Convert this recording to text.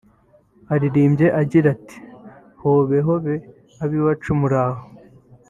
Aririmbye agira ati ’Hobe hobe ab’iwacu muraho